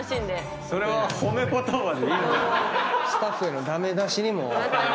スタッフへの駄目出しにも。